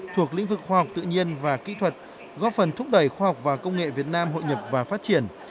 thuộc lĩnh vực khoa học tự nhiên và kỹ thuật góp phần thúc đẩy khoa học và công nghệ việt nam hội nhập và phát triển